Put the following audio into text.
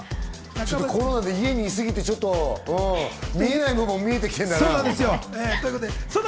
コロナで家にいすぎてちょっと見えないものも見えてきてるんだな。